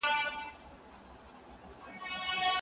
که ټولګي کي ژبنی عدالت وي، نو ایا تبعیض نه کمېږي.